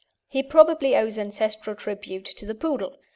He probably owes ancestral tribute to the Poodle.